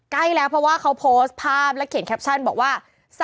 ใกล้แล้วเพราะว่าเขาโพสต์ภาพและเขียนแคปชั่นบอกว่า